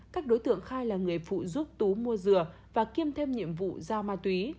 các đối tượng khai là người phụ giúp tú mua dừa và kiêm thêm nhiệm vụ giao ma túy